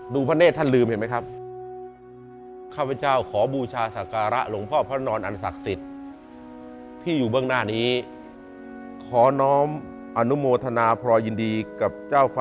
ดูนะเห็นมั้ยครับ